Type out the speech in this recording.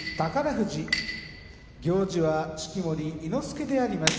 富士行司は式守伊之助であります。